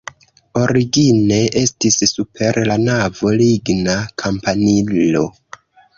Origine estis super la navo ligna kampanilo.